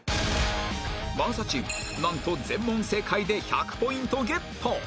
真麻チームなんと全問正解で１００ポイントゲット！